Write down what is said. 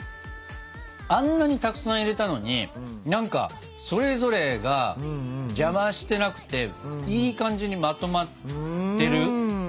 あんなにたくさん入れたのに何かそれぞれが邪魔してなくていい感じにまとまってる。